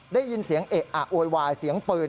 ได้ยินเสียงเอะอะโวยวายเสียงปืน